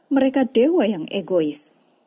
mereka dewa yang egois